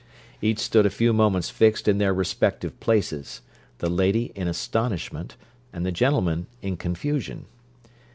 Each stood a few moments fixed in their respective places the lady in astonishment, and the gentleman in confusion.